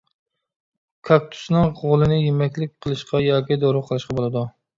كاكتۇسنىڭ غولىنى يېمەكلىك قىلىشقا ياكى دورا قىلىشقا بولىدۇ.